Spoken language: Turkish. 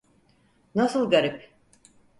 Nasıl garip?